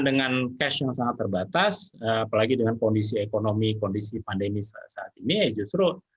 dengan cash yang sangat terbatas apalagi dengan kondisi ekonomi kondisi pandemi saat ini ya justru